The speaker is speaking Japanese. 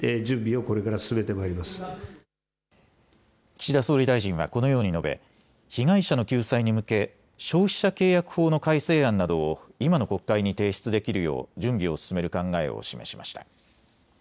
岸田総理大臣はこのように述べ被害者の救済に向け消費者契約法の改正案などを今の国会に提出できるよう準備を進める考えを示しました。